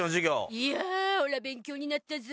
いやオラ勉強になったゾ。